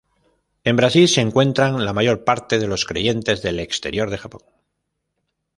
En Brasil se encuentran la mayor parte de los creyentes del exterior de Japón.